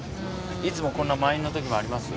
いつもこんな満員の時もあります？